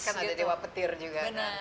kan ada dewa petir juga